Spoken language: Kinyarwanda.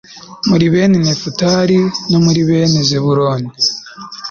muri bene nefutali no muri bene zabuloni